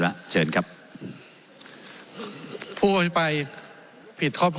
ไม่ได้เป็นประธานคณะกรุงตรี